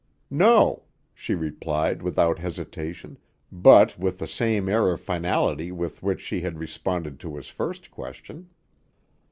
"No," she replied without hesitation, but with the same air of finality with which she had responded to his first question.